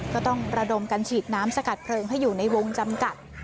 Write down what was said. ก็ต้องระดมกันฉีดน้ำสกัดเพลิงให้อยู่ในวงจำกัด